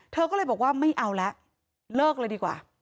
เธอก็เลยบอกว่าไม่เอาแล้วเลิกเลยดีกว่า